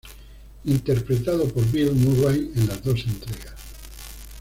Interpretado por Bill Murray en las dos entregas.